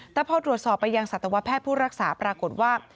แต่พอตรวจสอบไปยังสัตวแพทย์ผู้รักษาปรากฏว่า